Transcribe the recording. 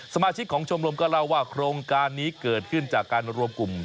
สมาชิกของชมรมก็เล่าว่าโครงการนี้เกิดขึ้นจากการรวมกลุ่ม